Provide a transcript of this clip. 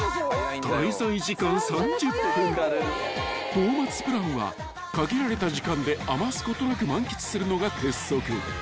［東松プランは限られた時間で余すことなく満喫するのが鉄則］